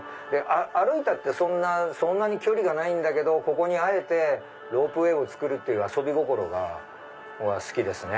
歩いたってそんなに距離がないんだけどここにあえてロープウエーを造るっていう遊び心が僕は好きですね。